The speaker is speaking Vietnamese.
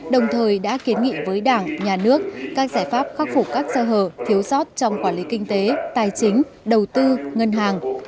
đồng thời đã kiến nghị với đảng nhà nước các giải pháp khắc phục các sơ hở thiếu sót trong quản lý kinh tế tài chính đầu tư ngân hàng